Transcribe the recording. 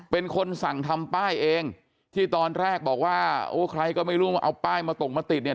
เป็นคนสั่งทำป้ายเองที่ตอนแรกบอกว่าโอ้ใครก็ไม่รู้ว่าเอาป้ายมาตกมาติดเนี่ย